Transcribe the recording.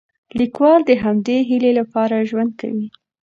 لیکوال د همدې هیلې لپاره ژوند کوي.